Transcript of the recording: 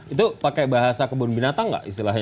itu pakai bahasa kebun binatang nggak istilahnya